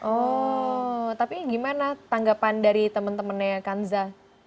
oh tapi gimana tanggapan dari teman temannya kanza